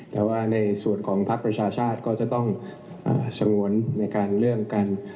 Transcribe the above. แต่ว่าในส่วนของภักดิ์ประชาชาติก็จะต้องสงวนในการเรื่องกัน